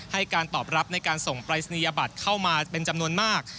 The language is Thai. ให้การตอบรับในการส่งปรายศนียบัตรเข้ามาเป็นจำนวนมาก